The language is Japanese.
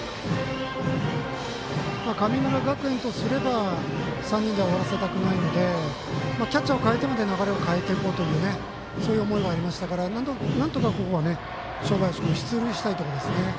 神村学園とすれば３人で終わらせたくないのでキャッチャーを代えてまで流れを変えていこうというそういう思いがありましたからなんとか、ここは正林君出塁したいところですね。